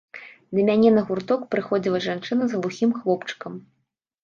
Да мяне на гурток прыходзіла жанчына з глухім хлопчыкам.